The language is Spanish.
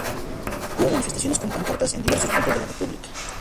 Hubo manifestaciones con pancartas en diversos puntos de la república.